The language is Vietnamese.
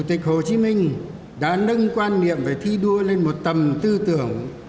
coi thi đua là một phong trào cách mạng của nước ta chủ tịch hồ chí minh đã nâng quan niệm về thi đua lên một tầm tư tưởng